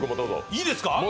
いいですか！？